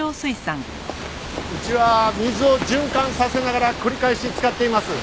うちは水を循環させながら繰り返し使っています。